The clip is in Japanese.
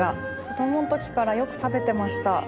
子供のときからよく食べてました。